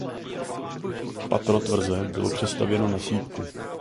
Patro tvrze bylo přestavěno na sýpku.